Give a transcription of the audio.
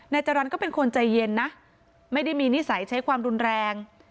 จรรย์ก็เป็นคนใจเย็นนะไม่ได้มีนิสัยใช้ความรุนแรง